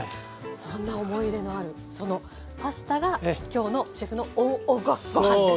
そんな思い入れのあるそのパスタが今日のシェフのＯＮごはんです。